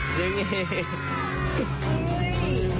ดึงอีก